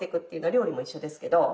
料理も一緒ですけど。